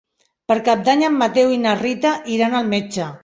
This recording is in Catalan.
Per Cap d'Any en Mateu i na Rita iran al metge.